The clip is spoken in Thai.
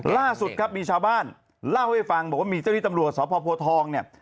ล่าสุดครับมีชาวบ้านเล่าให้ฟังมีเจ้าหลีกับทำรักษ์สะพรพัวทองเนี่ย